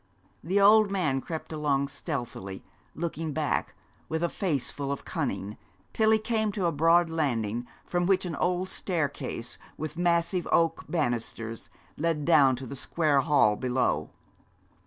The old man crept along stealthily, looking back, with a face full of cunning, till he came to a broad landing, from which an old staircase, with massive oak banisters, led down to the square hall below.